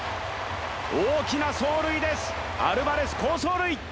大きな走塁です、アルバレス好走塁。